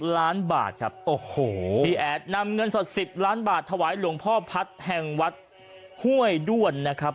ล้านบาทครับโอ้โหพี่แอดนำเงินสด๑๐ล้านบาทถวายหลวงพ่อพัฒน์แห่งวัดห้วยด้วนนะครับ